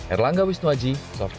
erlangga wisnuaji sobatkomunikasi